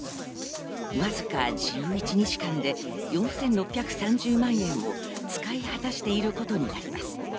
わずか１１日間で４６３０万円を使い果たしていることになります。